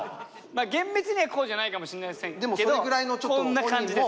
厳密にはこうじゃないかもしれませんけどこんな感じです。